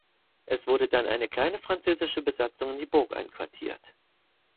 Es wurde dann eine kleine französische Besatzung in die Burg einquartiert.